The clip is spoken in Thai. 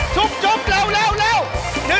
ชุบชุบเร็วเร็วเร็ว